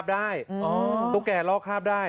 มาเลาะคราบได้